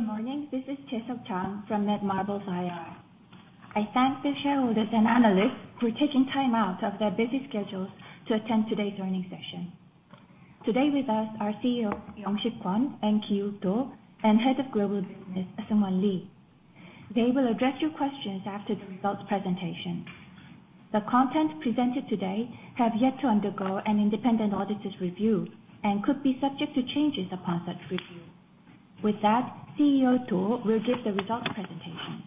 Good morning. This is Jessup Jang from Netmarble's IR. I thank the shareholders and analysts for taking time out of their busy schedules to attend today's earnings session. Today with us are CEO Yong Shik Kwon and CFO Kiuk Doh, and Head of Global Business, Sungwon Lee. They will address your questions after the results presentation. The content presented today has yet to undergo an independent auditor's review and could be subject to changes upon such review. With that, CEO Doh will give the results presentation.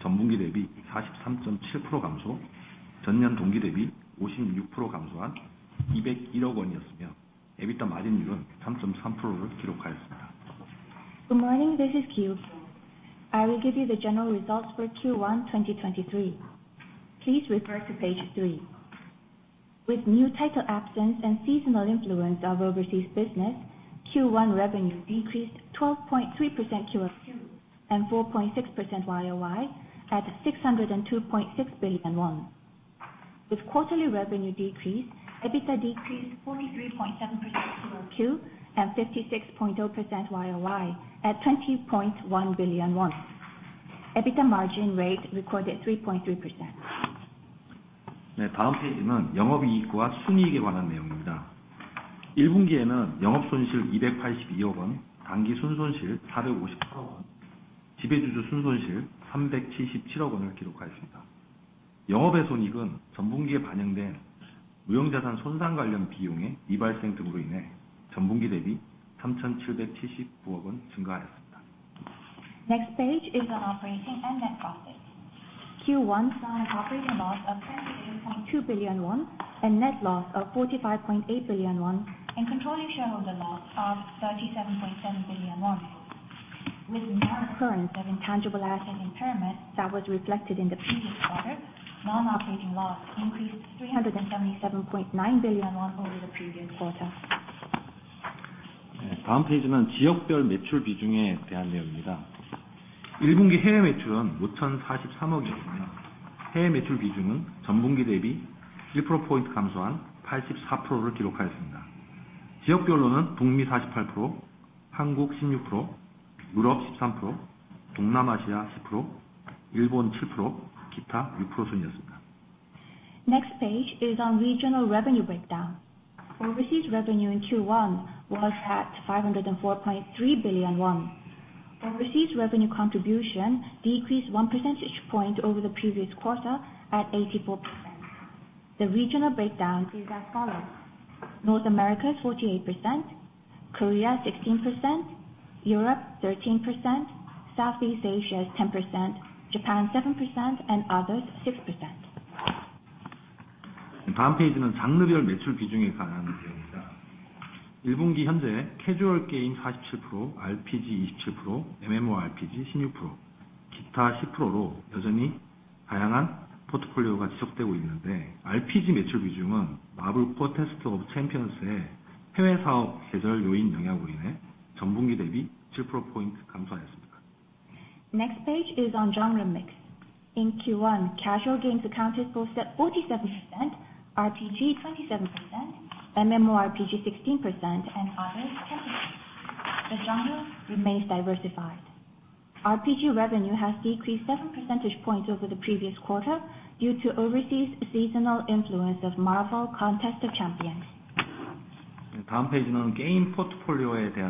Good morning, this is Kiuk Doh. I will give you the general results for Q1 2023. Please refer to page three. With new title absence and seasonal influence of overseas business, Q1 revenue decreased 12.3% QOQ and 4.6% YOY at 602.6 billion won. With quarterly revenue decrease, EBITDA decreased 43.7% QoQ and 56.0%YoY at 20.1 billion won. EBITDA margin rate recorded 3.3%. Next page is on operating and net profits. Q1 saw an operating loss of 28.2 billion won and net loss of 45.8 billion won, and controlling share of the loss of KRW 37.7 billion. With non-occurrence of intangible asset impairment that was reflected in the previous quarter, non-operating loss increased KRW 377.9 billion over the previous quarter. Next page is on regional revenue breakdown. Overseas revenue in Q1 was at 504.3 billion won. Overseas revenue contribution decreased 1 percentage point over the previous quarter at 84%. The regional breakdown is as follows: North America 48%, Korea 16%, Europe 13%, Southeast Asia 10%, Japan 7%, and others 6%. Next page is on genre mix. In Q1, casual games accounted for 47%, RPG 27%, MMORPG 16%, and others 10%. The genre remains diversified. RPG revenue has decreased 7 percentage points over the previous quarter due to overseas seasonal influence of Marvel Contest of Champions. Next page is on game portfolio. As of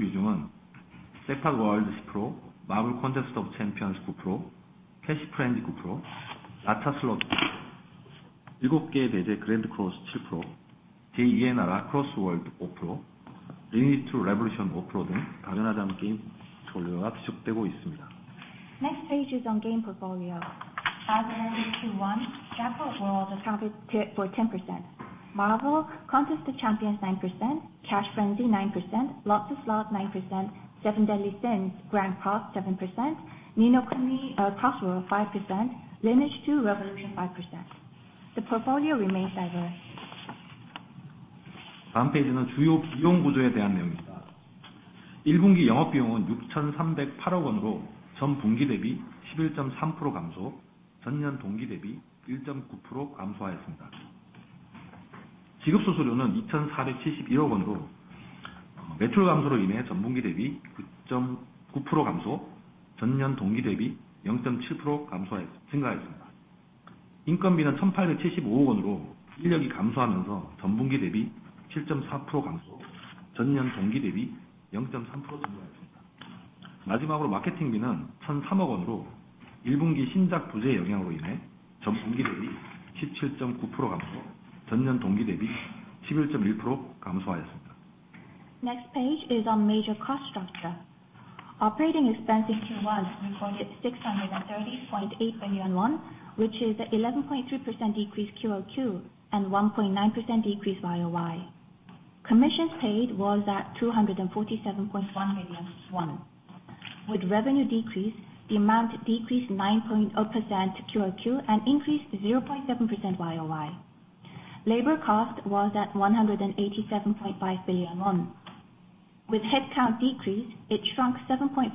Q1, Sapphire World accounted for 10%, Marvel Contest of Champions 9%, Cash Frenzy 9%, Lotsa Slots 9%, The Seven Deadly Sins: Grand Cross 7%, Ni no Kuni: Cross Worlds 5%, Lineage 2: Revolution 5%. The portfolio remains diverse. Next page is on major cost structure. Operating expense in Q1 recorded 630.8 billion won, which is 11.3% decrease QOQ and 1.9% decrease YOY. Commissions paid was at 247.1 million won. With revenue decrease, the amount decreased 9.0% QOQ and increased 0.7% YOY. Labor cost was at 187.5 billion won. With headcount decrease, it shrunk 7.4%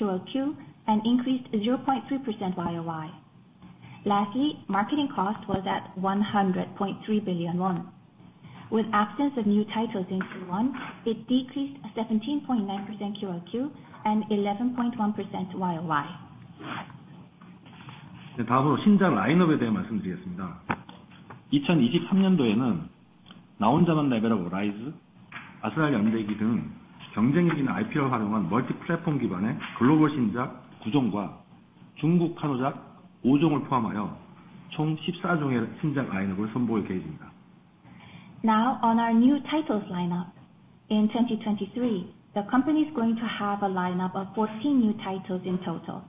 QOQ and increased 0.3% YOY. Lastly, marketing cost was at 100.3 billion won. With absence of new titles in Q1, it decreased 17.9% QOQ and 11.1% YOY. On our new titles lineup. In 2023, the company's going to have a lineup of 14 new titles in total.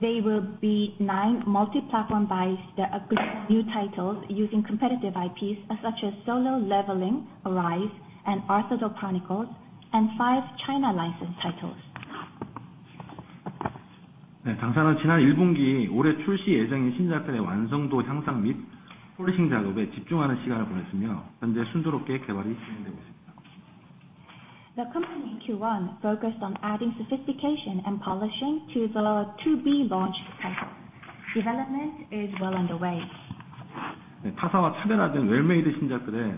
They will be nine multi-platform buys, the new titles using competitive IPs such as Solo Leveling: ARISE and Arthdal Chronicles, and five China licensed titles. The company in Q1 focused on adding sophistication and publishing to the to-be launched title. Development is well underway. We are doing our best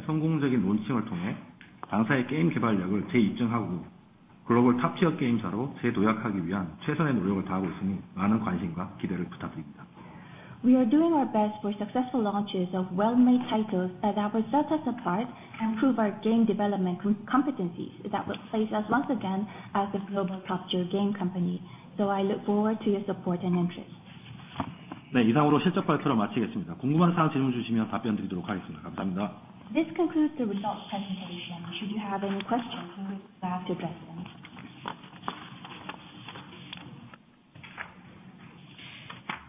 for successful launches of well-made titles that will set us apart and prove our game development competencies that will place us once again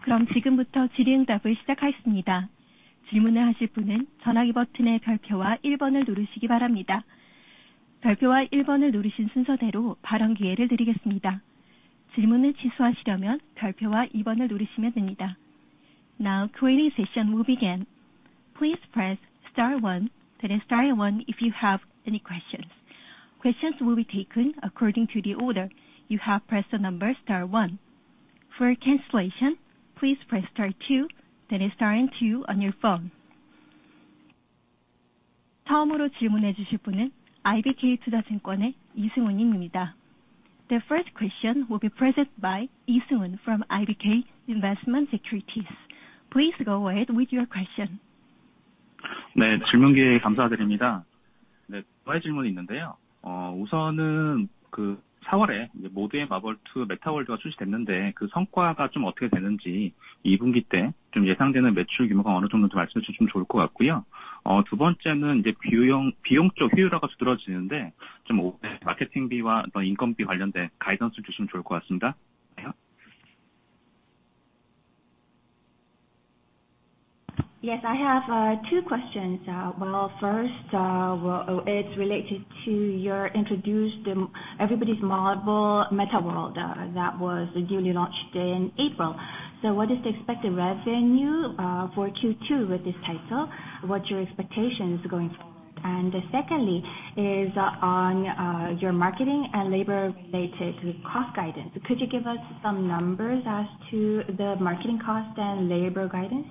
as a global top-tier game company. I look forward to your support and interest. This concludes the results presentation. Should you have any questions, I'll be glad to address them. Q&A session will begin. Please press star one, then star one if you have any questions. Questions will be taken according to the order you have pressed the number star one. For cancellation, please press star two, then star two on your phone. The first question will be presented by Lee Sun from IBK Investment & Securities. Please go ahead with your question. Yes, I have two questions. Well, first, well, it's related to your introduced Everybody's Marble Metaworld that was duly launched in April. What is the expected revenue for Q2 with this title? What's your expectations going forward? Secondly is on your marketing and labor related cost guidance. Could you give us some numbers as to the marketing cost and labor guidance?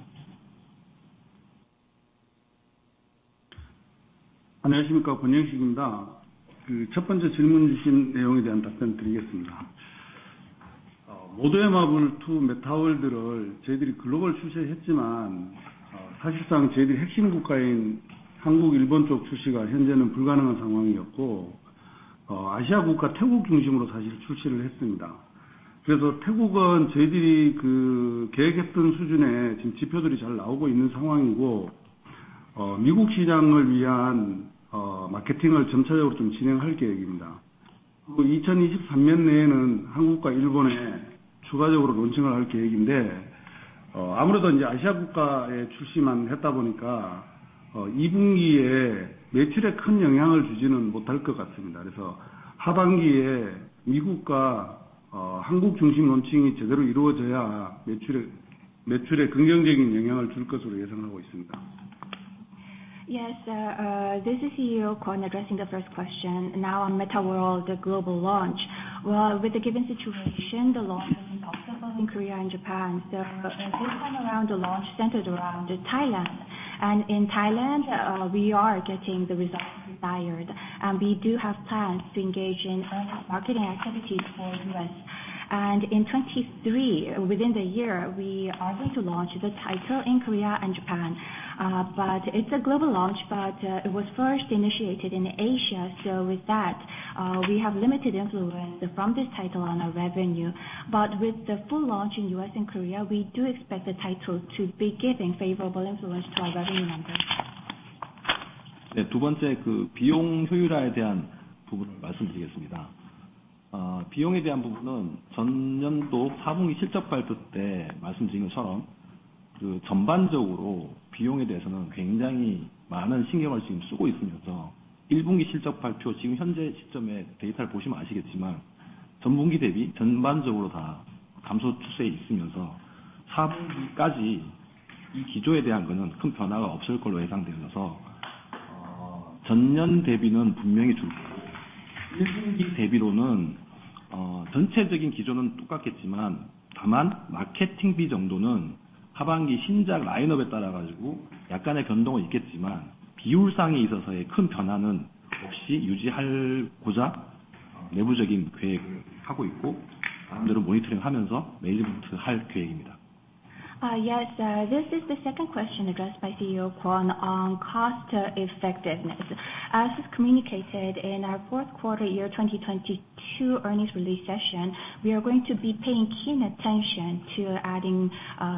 Yes, this is CEO Kwon addressing the first question. Now on Metaworld, the global launch. Well, with the given situation, the launch has been optimally in Korea and Japan. This time around, the launch centered around Thailand. In Thailand, we are getting the results required, and we do have plans to engage in earn-out marketing activities for U.S. In 2023, within the year, we are going to launch the title in Korea and Japan. It's a global launch, but it was first initiated in Asia. With that, we have limited influence from this title on our revenue. With the full launch in US and Korea, we do expect the title to be giving favorable influence to our revenue numbers. Uh, 비용에 대한 부분은 전년도 사 분기 실적 발표 때 말씀드린 것처럼, 그 전반적으로 비용에 대해서는 굉장히 많은 신경을 지금 쓰고 있으면서 일 분기 실적 발표, 지금 현재 시점에 데이터를 보시면 아시겠지만 전분기 대비 전반적으로 다 감소 추세에 있으면서 사 분기까지 이 기조에 대한 거는 큰 변화가 없을 걸로 예상되면서, 어... 전년 대비는 분명히 줄 것이고, 일 분기 대비로는 어 전체적인 기조는 똑같겠지만, 다만 마케팅비 정도는 하반기 신작 라인업에 따라가지고 약간의 변동은 있겠지만 비율상에 있어서의 큰 변화는 없이 유지하고자 내부적인 계획을 하고 있고, 그런 대로 모니터링하면서 매니지먼트 할 계획입니다. Yes. This is the second question addressed by CEO Kwon on cost effectiveness. As is communicated in our fourth quarter 2022 earnings release session, we are going to be paying keen attention to adding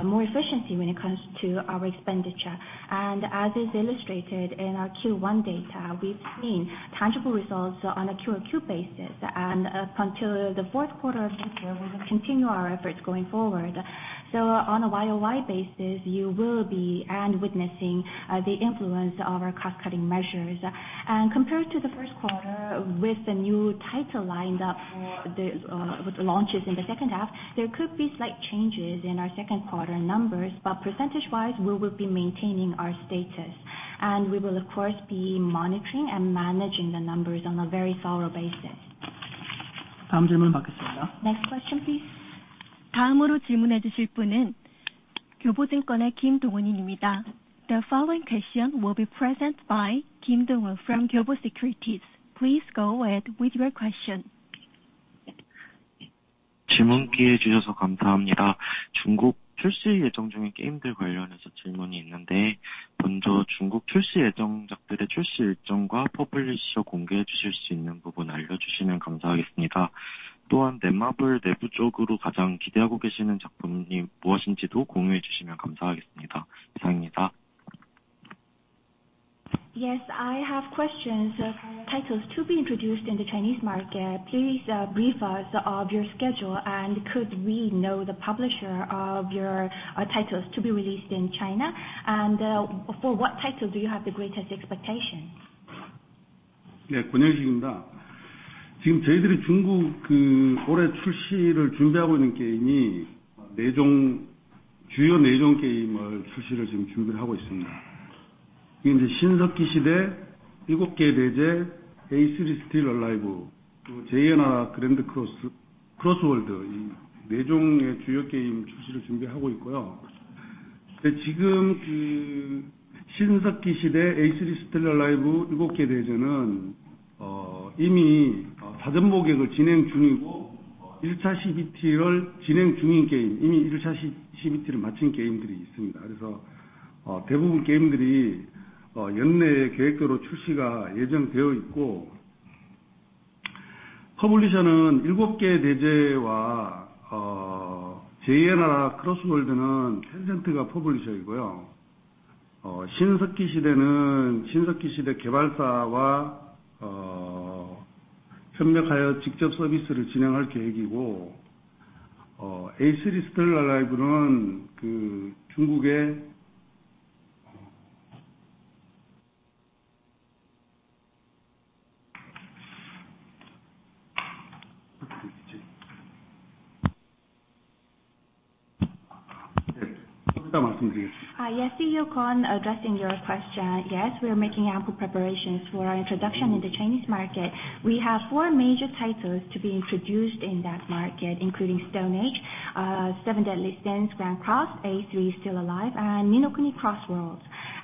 more efficiency when it comes to our expenditure. As is illustrated in our Q1 data, we've seen tangible results on a QoQ basis. Until the fourth quarter of this year, we will continue our efforts going forward. On a YoY basis, you will be witnessing the influence of our cost cutting measures. Compared to the first quarter with the new title lined up for the launches in the second half, there could be slight changes in our second quarter numbers, but percentage-wise we will be maintaining our status. We will of course be monitoring and managing the numbers on a very thorough basis. 다음 질문 받겠습니다. Next question, please. 다음으로 질문해주실 분은 교보증권의 김동운입니다. The following question will be presented by Kim Dong-woo from Kyobo Securities. Please go ahead with your question. 질문 기회 주셔서 감사합니다. 중국 출시 예정 중에 게임들 관련해서 질문이 있는데 먼저 중국 출시 예정작들의 출시 일정과 퍼블리셔 공개해 주실 수 있는 부분 알려주시면 감사하겠습니다. 또한 넷마블 내부적으로 가장 기대하고 계시는 작품이 무엇인지도 공유해 주시면 감사하겠습니다. 이상입니다. Yes, I have questions of titles to be introduced in the Chinese market. Please brief us of your schedule. Could we know the publisher of your titles to be released in China? For what title do you have the greatest expectation? Kwon Young-sik. 지금 저희들이 중국 올해 출시를 준비하고 있는 게임이 4 종, 주요 4종 게임을 출시를 지금 준비를 하고 있습니다. 그게 신석기시대, 일곱 개의 대죄, A3: Still Alive, 또 제이나 Grand Cross World, 이4 종의 주요 게임 출시를 준비하고 있고요. 지금 신석기시대, A3: Still Alive, 일곱 개의 대죄는 이미 사전 모객을 진행 중이고, 1차 CBT를 진행 중인 게임, 이미 1차 CBT를 마친 게임들이 있습니다. 대부분 게임들이 연내에 계획대로 출시가 예정되어 있고, Publisher는 일곱 개의 대죄와 제이나 Cross World는 Tencent가 Publisher이고요. 신석기시대는 신석기시대 개발사와 협력하여 직접 서비스를 진행할 계획이고, A3: Still Alive는 중국의... 여기서 말씀드리겠습니다. Yes. CEO Kwon addressing your question. Yes, we are making ample preparations for our introduction in the Chinese market. We have four major titles to be introduced in that market, including Stone Age, Seven Deadly Sins, Grand Cross, A three Still Alive, and Ni no Kuni Cross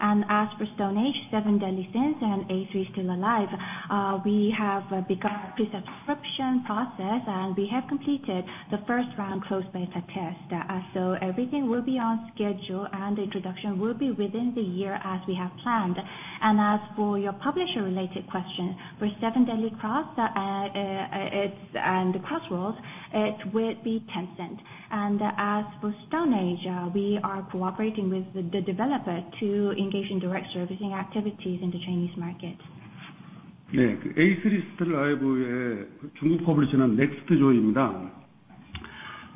Worlds. As for Stone Age, Seven Deadly Sins, and A three Still Alive, we have begun a pre-subscription process, and we have completed the first round closed beta test. Everything will be on schedule and introduction will be within the year as we have planned. As for your publisher related question, for Seven Deadly Cross, and the Cross Worlds, it will be Tencent. As for Stone Age, we are cooperating with the developer to engage in direct servicing activities in the Chinese market. A3: Still Alive의 중국 퍼블리셔는 Next Joy입니다.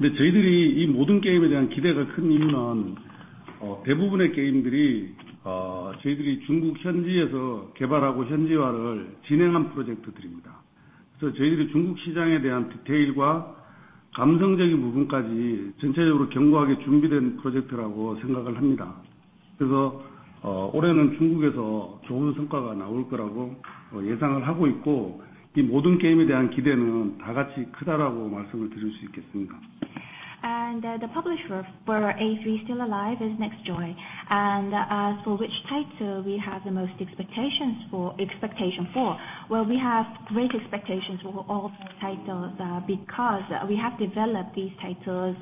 저희들이 이 모든 게임에 대한 기대가 큰 이유는 대부분의 게임들이 저희들이 중국 현지에서 개발하고 현지화를 진행한 프로젝트들입니다. 저희들이 중국 시장에 대한 디테일과 감성적인 부분까지 전체적으로 견고하게 준비된 프로젝트라고 생각을 합니다. 올해는 중국에서 좋은 성과가 나올 거라고 예상을 하고 있고, 이 모든 게임에 대한 기대는 다 같이 크다라고 말씀을 드릴 수 있겠습니다. The publisher for A three: Still Alive is Next Joy. As for which title we have the most expectations for. Well, we have great expectations for all four titles because we have developed these titles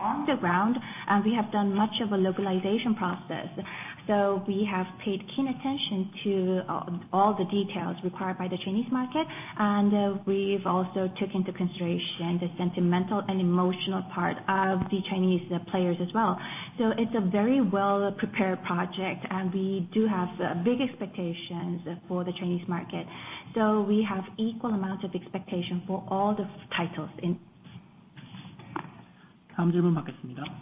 on the ground and we have done much of a localization process. We have paid keen attention to all the details required by the Chinese market. We've also took into consideration the sentimental and emotional part of the Chinese players as well. It's a very well-prepared project, and we do have big expectations for the Chinese market. We have equal amount of expectation for all the titles in-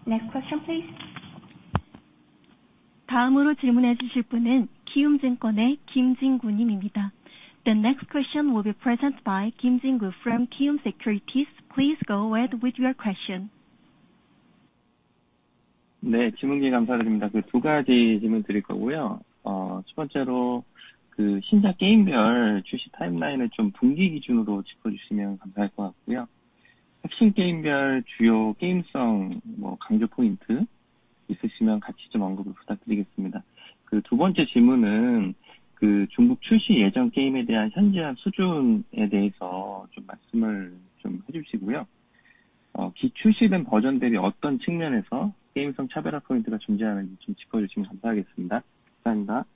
Next question, please. The next question will be presented by Kim Jin-goo from Kiwoom Securities. Please go ahead with your question.. 네, 질문 감사합니다. 그두 가지 질문드릴 거고요. 첫 번째로 그 신작 게임별 출시 timeline을 좀 분기 기준으로 짚어주시면 감사할 것 같고요, 핵심 게임별 주요 게임성, 뭐 강조 포인트 있으시면 같이 좀 언급을 부탁드리겠습니다. 두 번째 질문은 그 중국 출시 예정 게임에 대한 현지화 수준에 대해서 좀 말씀을 좀 해주시고요, 비출시된 버전 대비 어떤 측면에서 게임성 차별화 포인트가 존재하는지 좀 짚어주시면 감사하겠습니다. 감사합니다.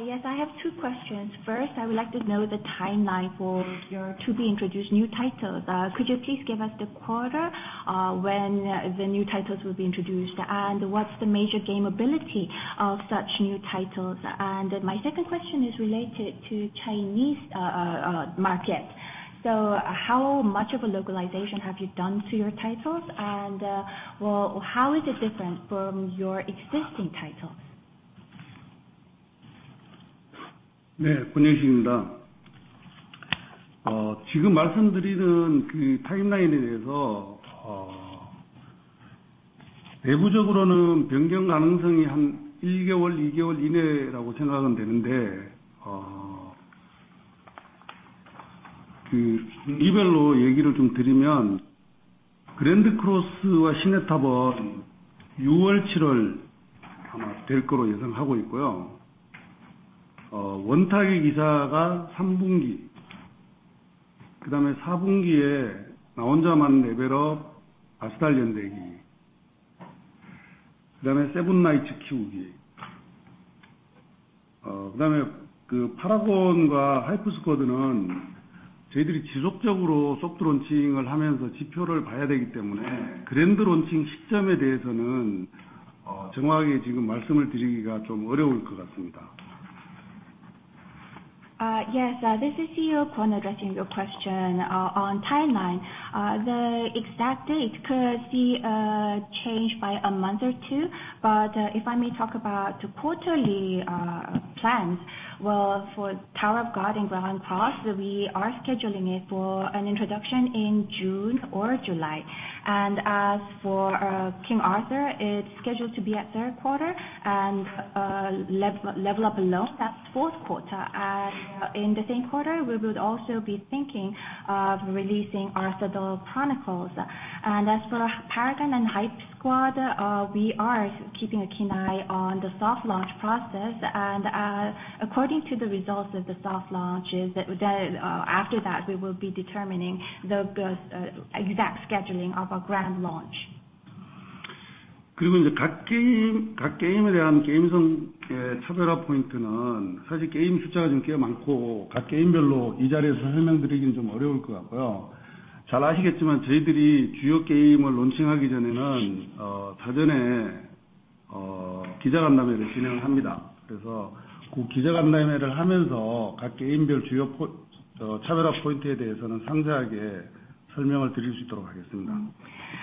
Yes, I have two questions. First, I would like to know the timeline for your to-be-introduced new titles. Could you please give us the quarter when the new titles will be introduced? What's the major game ability of such new titles? My second question is related to Chinese market. How much of a localization have you done to your titles? Well, how is it different from your existing titles? 네, Kwon Young-sik입니다. 지금 말씀드리는 그 timeline에 대해서, 내부적으로는 변경 가능성이 한 1개월, 2개월 이내라고 생각은 되는데, 그 분기별로 얘기를 좀 드리면 Grand Cross와 Tower of God은 6월, 7월 아마 될 거로 예상하고 있고요. King Arthur은 3분기, 그다음에 4분기에 Level Up Alone, Arthur: The Lost Kingdom, 그다음에 Seven Knights Idle Adventure, 그다음에 그 Paragon과 HypeSquad는 저희들이 지속적으로 soft launching을 하면서 지표를 봐야 되기 때문에 그랜드 론칭 시점에 대해서는, 정확하게 지금 말씀을 드리기가 좀 어려울 것 같습니다. Yes. This is CEO Kwon addressing your question. On timeline, the exact date could see change by a month or two. If I may talk about the quarterly plans, well, for Tower of God and Grand Cross, we are scheduling it for an introduction in June or July. As for King Arthur, it's scheduled to be at third quarter. Level Up Alone, that's fourth quarter. In the same quarter, we would also be thinking of releasing Arthdal Chronicles. As for Paragon and HypeSquad, we are keeping a keen eye on the soft launch process. According to the results of the soft launches that we did, after that, we will be determining the exact scheduling of a grand launch. 이제 각 게임, 각 게임에 대한 게임성의 차별화 포인트는 사실 게임 숫자가 좀꽤 많고, 각 게임별로 이 자리에서 설명드리기는 좀 어려울 것 같고요. 잘 아시겠지만 저희들이 주요 게임을 론칭하기 전에는 사전에 기자 간담회를 진행을 합니다. 그 기자 간담회를 하면서 각 게임별 주요 차별화 포인트에 대해서는 상세하게 설명을 드릴 수 있도록 하겠습니다.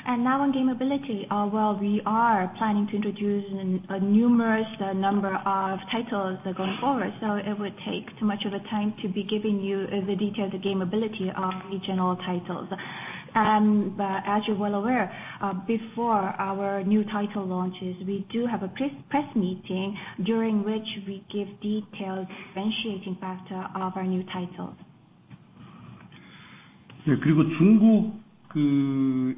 Now on game ability. Well, we are planning to introduce a numerous number of titles going forward, so it would take too much of the time to be giving you the detailed game ability of each and all titles. But as you're well aware, before our new title launches, we do have a press meeting during which we give detailed differentiating factor of our new titles. 그리고 중국 그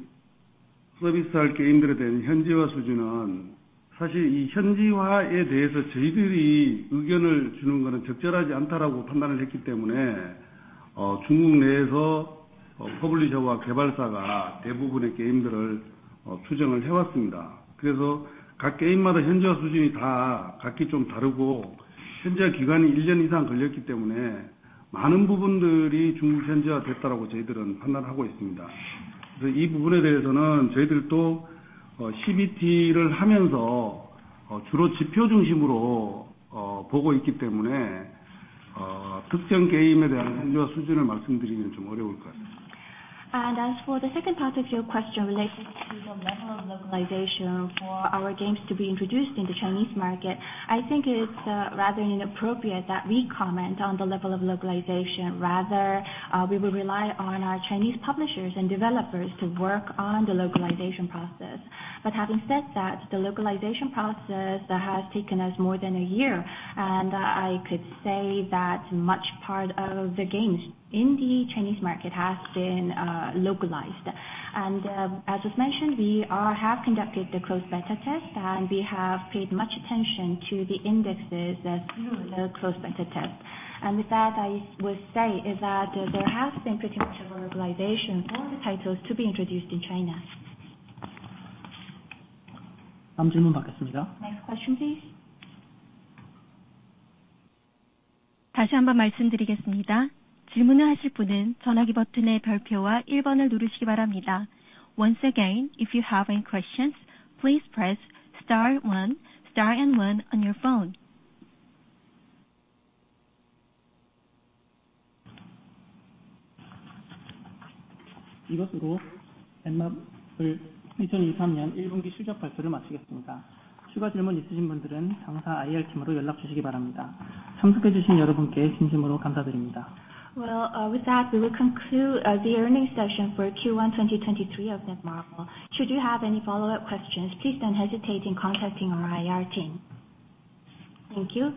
서비스할 게임들에 대한 현지화 수준은 사실 이 현지화에 대해서 저희들이 의견을 주는 거는 적절하지 않다라고 판단을 했기 때문에, 중국 내에서 publisher와 개발사가 대부분의 게임들을 수정을 해왔습니다. 각 게임마다 현지화 수준이 다 각기 좀 다르고, 현지화 기간이 1년 이상 걸렸기 때문에 많은 부분들이 중국 현지화됐다라고 저희들은 판단하고 있습니다. 이 부분에 대해서는 저희들도 CBT를 하면서 주로 지표 중심으로 보고 있기 때문에 특정 게임에 대한 현지화 수준을 말씀드리기는 좀 어려울 것 같습니다. As for the second part of your question related to the level of localization for our games to be introduced in the Chinese market, I think it's rather inappropriate that we comment on the level of localization. We will rely on our Chinese publishers and developers to work on the localization process. Having said that, the localization process has taken us more than a year, and I could say that much part of the games in the Chinese market has been localized. As was mentioned, we have conducted the CBT, and we have paid much attention to the indexes during the CBT. With that, I would say is that there has been pretty much a localization for the titles to be introduced in China. 다음 질문 받겠습니다. Next question, please. 다시 한번 말씀드리겠습니다. 질문을 하실 분은 전화기 버튼의 별표와 일번을 누르시기 바랍니다. Once again, if you have any questions, please press star one, star and one on your phone. 이것으로 Netmarble 2023년 1분기 실적 발표를 마치겠습니다. 추가 질문 있으신 분들은 당사 IR팀으로 연락주시기 바랍니다. 참석해 주신 여러분께 진심으로 감사드립니다. Well, with that, we will conclude the earnings session for Q1 2023 of Netmarble. Should you have any follow-up questions, please don't hesitate in contacting our IR team. Thank you.